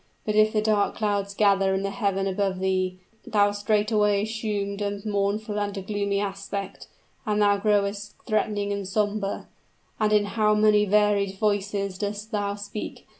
But if the dark clouds gather in the heaven above thee, thou straightway assumed a mournful and a gloomy aspect, and thou growest threatening and somber. And in how many varied voices dost thou speak.